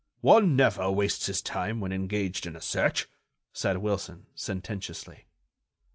"One never wastes his time when engaged in a search," said Wilson, sententiously.